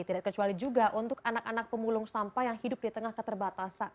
tidak kecuali juga untuk anak anak pemulung sampah yang hidup di tengah keterbatasan